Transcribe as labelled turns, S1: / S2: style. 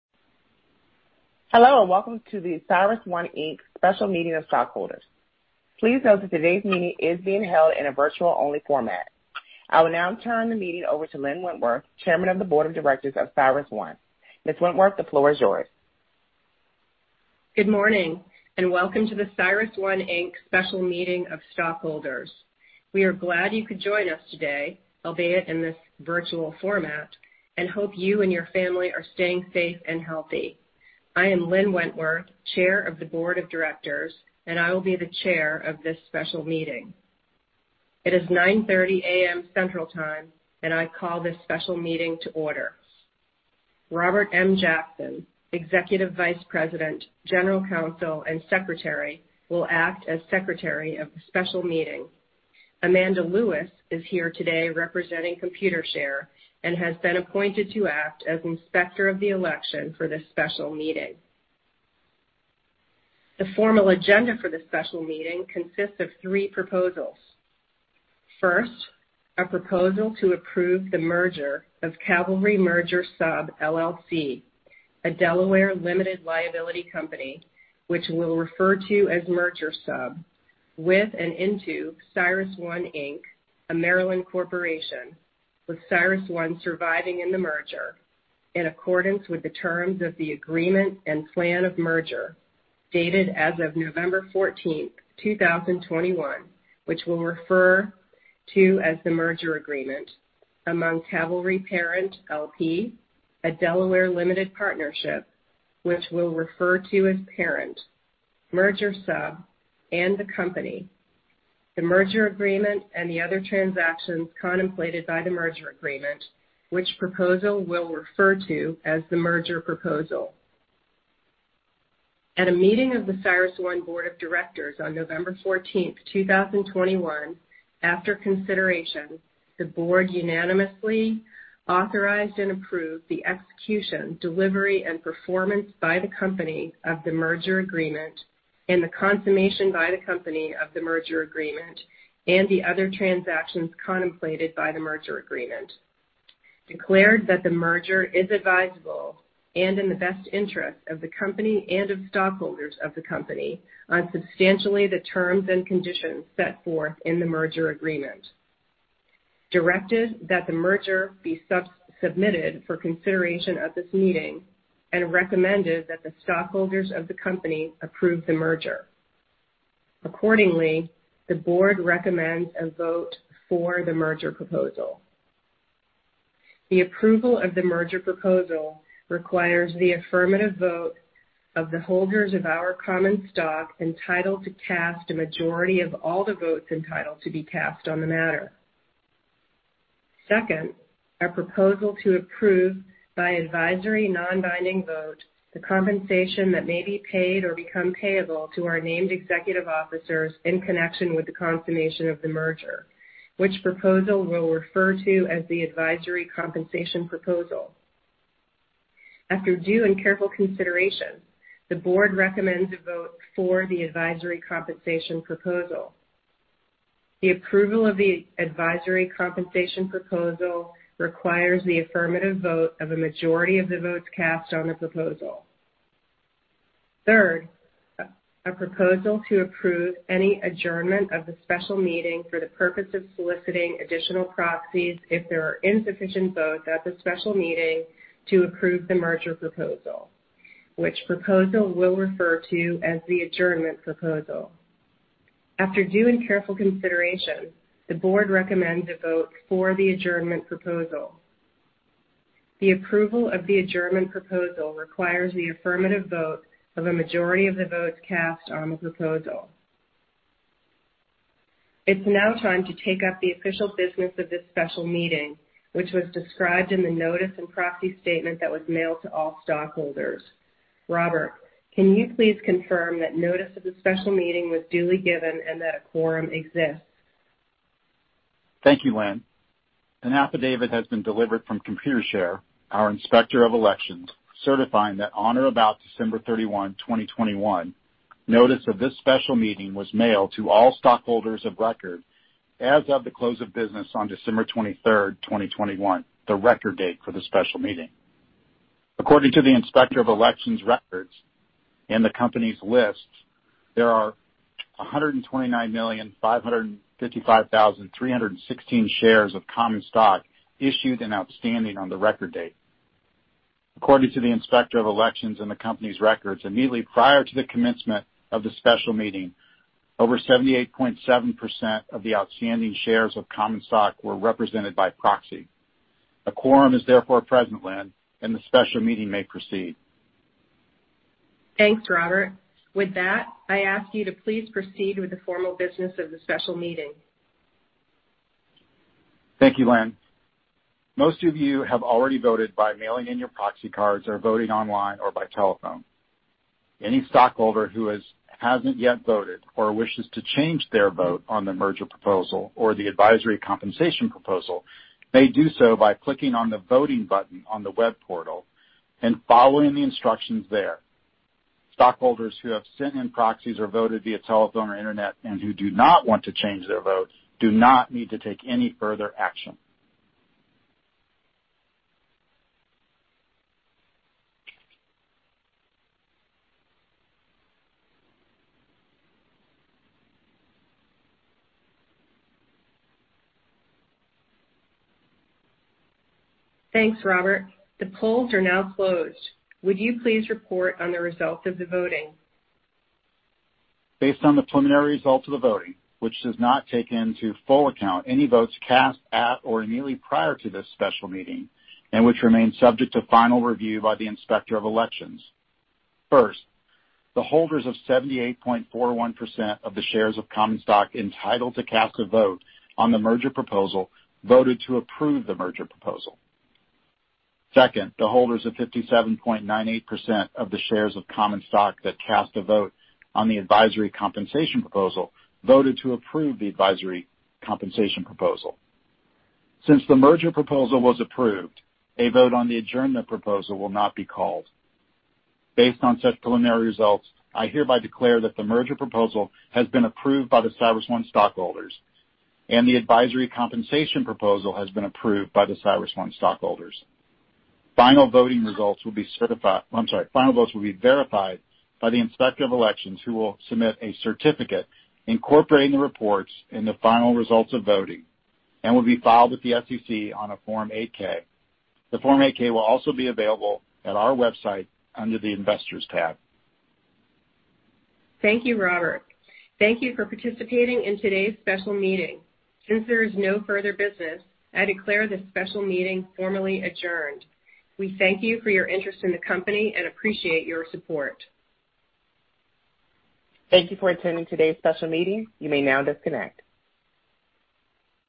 S1: Hello, and welcome to the CyrusOne Inc special meeting of stockholders. Please note that today's meeting is being held in a virtual-only format. I will now turn the meeting over to Lynn Wentworth, Chair of the Board of Directors of CyrusOne. Ms. Wentworth, the floor is yours.
S2: Good morning, and welcome to the CyrusOne Inc special meeting of stockholders. We are glad you could join us today, albeit in this virtual format, and hope you and your family are staying safe and healthy. I am Lynn Wentworth, Chair of the Board of Directors, and I will be the Chair of this special meeting. It is 9:30 A.M. Central Time, and I call this special meeting to order. Robert M. Jackson, Executive Vice President, General Counsel, and Secretary, will act as secretary of the special meeting. Amanda Lewis is here today representing Computershare and has been appointed to act as Inspector of Election for this special meeting. The formal agenda for this special meeting consists of three proposals. First, a proposal to approve the merger of Cavalry Merger Sub LLC, a Delaware limited liability company which we'll refer to as Merger Sub, with and into CyrusOne Inc., a Maryland corporation, with CyrusOne surviving in the merger, in accordance with the terms of the Agreement and Plan of Merger dated as of November 14, 2021, which we'll refer to as the Merger Agreement, among Cavalry Parent L.P., a Delaware limited partnership which we'll refer to as Parent, Merger Sub, and the company, the Merger Agreement, and the other transactions contemplated by the Merger Agreement, which proposal we'll refer to as the Merger Proposal. At a meeting of the CyrusOne Board of Directors on November 14th, 2021, after consideration, the Board unanimously authorized and approved the execution, delivery, and performance by the company of the Merger Agreement and the consummation by the company of the Merger Agreement and the other transactions contemplated by the Merger Agreement. Declared that the merger is advisable and in the best interest of the company and of stockholders of the company on substantially the terms and conditions set forth in the Merger Agreement. Directed that the merger be submitted for consideration at this meeting. Recommended that the stockholders of the company approve the merger. Accordingly, the Board recommends a vote for the Merger Proposal. The approval of the Merger Proposal requires the affirmative vote of the holders of our common stock entitled to cast a majority of all the votes entitled to be cast on the matter. Second, a proposal to approve by advisory non-binding vote the compensation that may be paid or become payable to our named executive officers in connection with the consummation of the merger, which proposal we'll refer to as the Advisory Compensation Proposal. After due and careful consideration, the Board recommends a vote for the Advisory Compensation Proposal. The approval of the Advisory Compensation Proposal requires the affirmative vote of a majority of the votes cast on the proposal. Third, a proposal to approve any adjournment of the special meeting for the purpose of soliciting additional proxies if there are insufficient votes at the special meeting to approve the Merger Proposal, which proposal we'll refer to as the Adjournment Proposal. After due and careful consideration, the board recommends a vote for the Adjournment Proposal. The approval of the Adjournment Proposal requires the affirmative vote of a majority of the votes cast on the proposal. It's now time to take up the official business of this special meeting, which was described in the notice and proxy statement that was mailed to all stockholders. Robert, can you please confirm that notice of the special meeting was duly given and that a quorum exists?
S3: Thank you, Lynn. An affidavit has been delivered from Computershare, our inspector of elections, certifying that on or about December 31, 2021, notice of this special meeting was mailed to all stockholders of record as of the close of business on December 23, 2021, the record date for the special meeting. According to the inspector of elections records and the company's list, there are 129,555,316 shares of common stock issued and outstanding on the record date. According to the inspector of elections and the company's records, immediately prior to the commencement of the special meeting, over 78.7% of the outstanding shares of common stock were represented by proxy. A quorum is therefore present, Lynn, and the special meeting may proceed.
S2: Thanks, Robert. With that, I ask you to please proceed with the formal business of the special meeting.
S3: Thank you, Lynn. Most of you have already voted by mailing in your proxy cards or voting online or by telephone. Any stockholder who hasn't yet voted or wishes to change their vote on the Merger Proposal or the Advisory Compensation Proposal may do so by clicking on the Voting button on the web portal and following the instructions there. Stockholders who have sent in proxies or voted via telephone or internet and who do not want to change their votes do not need to take any further action.
S2: Thanks, Robert. The polls are now closed. Would you please report on the results of the voting?
S3: Based on the preliminary results of the voting, which does not take into full account any votes cast at or immediately prior to this special meeting, and which remains subject to final review by the Inspector of Elections. First, the holders of 78.41% of the shares of common stock entitled to cast a vote on the Merger Proposal voted to approve the Merger Proposal. Second, the holders of 57.98% of the shares of common stock that cast a vote on the Advisory Compensation Proposal voted to approve the Advisory Compensation Proposal. Since the Merger Proposal was approved, a vote on the Adjournment Proposal will not be called. Based on such preliminary results, I hereby declare that the Merger Proposal has been approved by the CyrusOne stockholders and the Advisory Compensation Proposal has been approved by the CyrusOne stockholders. Final votes will be verified by the Inspector of Elections, who will submit a certificate incorporating the reports in the final results of voting and will be filed with the SEC on a Form 8-K. The Form 8-K will also be available at our website under the Investors tab.
S2: Thank you, Robert. Thank you for participating in today's special meeting. Since there is no further business, I declare this special meeting formally adjourned. We thank you for your interest in the company and appreciate your support.
S1: Thank you for attending today's special meeting. You may now disconnect.